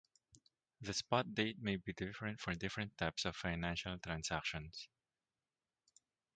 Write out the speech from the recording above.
The spot date may be different for different types of financial transactions.